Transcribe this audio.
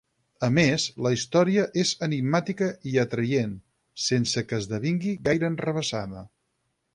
A més, la història és enigmàtica i atraient, sense que esdevingui gaire enrevessada.